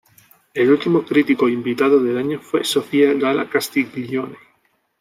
El último crítico invitado del año fue Sofía Gala Castiglione.